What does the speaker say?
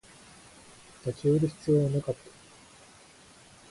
立ち寄る必要はなかった